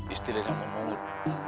istilahnya mau mungut